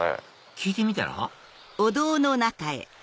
聞いてみたら？